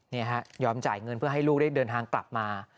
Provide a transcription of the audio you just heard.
ยอมจ่ายเงินเพื่อให้ลูกได้เดินทางกลับมา